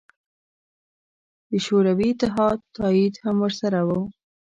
د شوروي اتحاد تایید هم ورسره و.